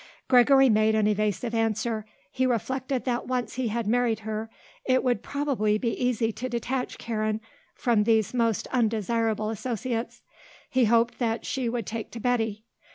Gregory made an evasive answer. He reflected that once he had married her it would probably be easy to detach Karen from these most undesirable associates. He hoped that she would take to Betty.